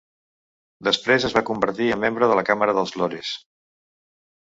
Després es va convertir en membre de la Càmera dels Lores.